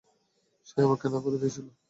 সে আমাকে না করে দিয়েছিল।